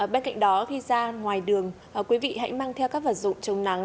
bên cạnh đó khi ra ngoài đường quý vị hãy mang theo các vật dụng chống nắng